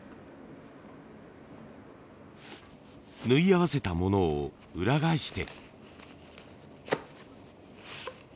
縫い合わせたものを裏返して。